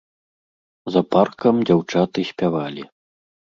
За паркам дзяўчаты спявалі.